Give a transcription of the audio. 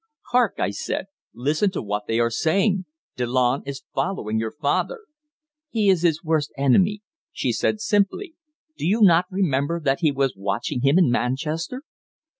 "Hark!" I said. "Listen to what they are saying! Delanne is following your father!" "He is his worst enemy," she said simply. "Do you not remember that he was watching him in Manchester?"